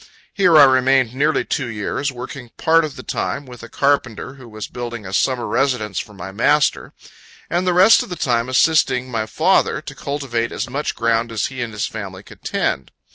Here I remained nearly two years, working, part of the time, with a carpenter, who was building a summer residence for my master; and the rest of the time, assisting my father to cultivate as much ground as he and his family could tend.